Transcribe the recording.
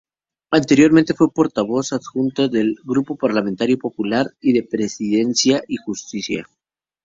Anteriormente, fue portavoz adjunta del Grupo Parlamentario Popular y de Presidencia y Justicia.